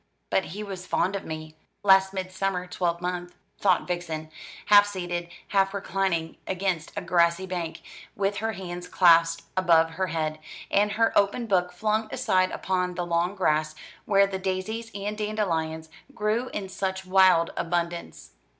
"But he was fond of me, last midsummer twelvemonth," thought Vixen, half seated half reclining against a grassy bank, with her hands clasped above her head, and her open book flung aside upon the long grass, where the daisies and dandelions grew in such wild abundance.